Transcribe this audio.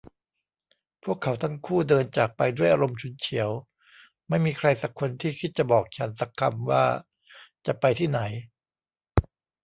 พวกเขาทั้งคู่เดินจากไปด้วยอารมณ์ฉุนเฉียว ไม่มีใครสักคนที่คิดจะบอกฉันสักคำว่าจะไปที่ไหน